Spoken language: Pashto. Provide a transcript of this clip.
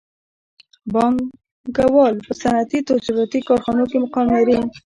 بانکوالان په صنعتي او تجارتي کارخانو کې مقام لري